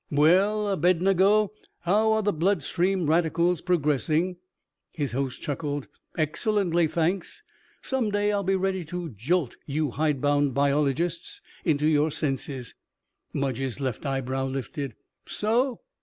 "Well, Abednego, how are the blood stream radicals progressing?" His host chuckled. "Excellently, thanks. Some day I'll be ready to jolt you hidebound biologists into your senses." Mudge's left eyebrow lifted. "So?